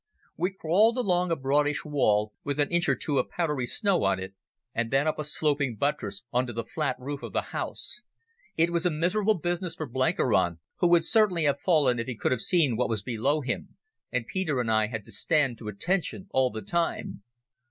We crawled along a broadish wall, with an inch or two of powdery snow on it, and then up a sloping buttress on to the flat roof of the house. It was a miserable business for Blenkiron, who would certainly have fallen if he could have seen what was below him, and Peter and I had to stand to attention all the time.